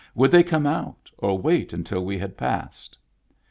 would they come out or wait until we had passed?